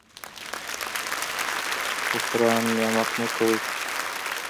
کفران نعمت مه کوئ.